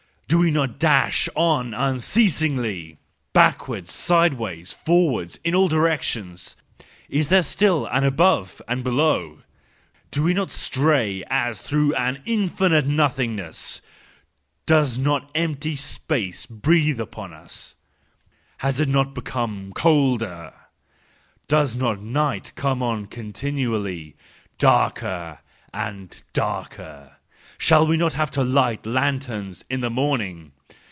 Do we not dash on unceasingly? Back¬ wards, sideways, forewards, in all directions? Is there still an above and below ? Do we not stray, as through infinite nothingness ? Does not empty space breathe upon us ? Has it not become colder ? Does not night come on continually, darker and darker? Shall we not have to light lanterns in the morning?